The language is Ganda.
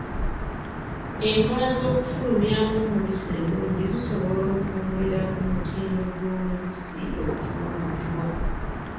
Enkola z'okufulumyamu omubisi ennungi zisobola okwongera ku mutindo gw'omubisi ogufulumizibwa.